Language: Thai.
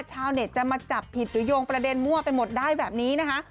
ชาวเน็ตจะมาจับผิดหรือโยงประเด็นมั่วไปหมดได้แบบนี้นะคะ